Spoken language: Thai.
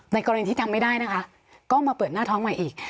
กรณีที่ทำไม่ได้นะคะก็มาเปิดหน้าท้องใหม่อีก